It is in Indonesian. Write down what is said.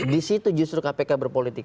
disitu justru kpk berpolitik